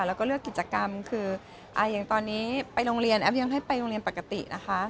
แล้วก็เลือกกิจกรรมคืออย่างตอนนี้ไปโรงเรียนแอฟยังให้ไปโรงเรียนปกตินะคะ